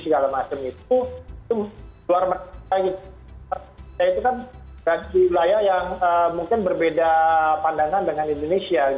nah itu kan bagi layak yang mungkin berbeda pandangan dengan indonesia